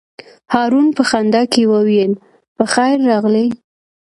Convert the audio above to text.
هارون په خندا کې وویل: په خیر راغلې.